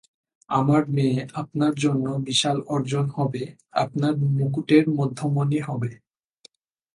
আমার মেয়ে আপনার জন্য বিশাল অর্জন হবে, আপনার মুকুটের মধ্যমণি হবে।